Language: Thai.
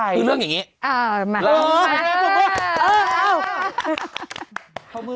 อ่ะคือเรื่องแห่งงี้